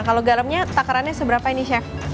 kalau garamnya takarannya seberapa ini chef